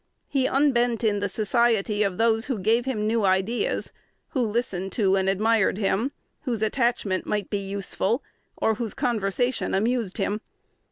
He unbent in the society of those who gave him new ideas, who listened to and admired him, whose attachment might be useful, or whose conversation amused him.